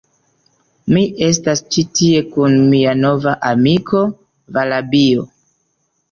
Mi estas ĉi tie kun mia nova amiko, Valabio.